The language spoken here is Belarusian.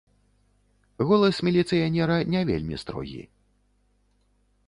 Голас міліцыянера не вельмі строгі.